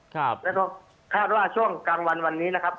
ครับจ๊ะหรือว่าส่วนกลางวันวันนี้นะครับ